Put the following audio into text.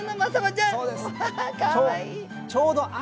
ちょうど秋。